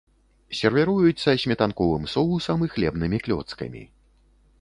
Сервіруюць са сметанковым соусам і хлебнымі клёцкамі.